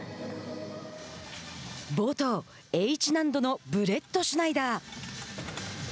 冒頭、Ｈ難度のブレットシュナイダー。